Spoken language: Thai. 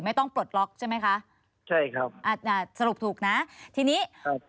ไม่ต้องปลดล็อกใช่ไหมคะใช่ครับอ่าอ่าสรุปถูกนะทีนี้ครับ